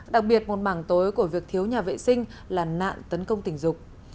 đặc biệt một mảng tối của việc thiếu nhà vệ sinh là nạn tấn công tình dục